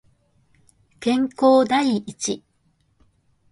健康第一